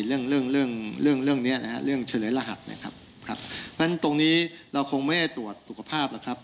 เพราะฉะนั้นตรงนี้เราคงไม่ตรวจสุขภาพหรอกครับ